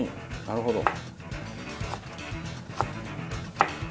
なるほど。